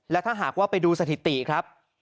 และถ้าหากว่าไปดูสถิติครับ